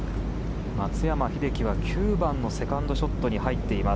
松山英樹は９番のセカンドショット。